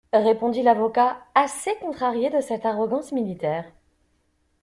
Répondit l'avocat, assez contrarié de cette arrogance militaire.